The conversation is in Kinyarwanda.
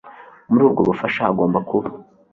muri ubwo bufasha hagomba kuba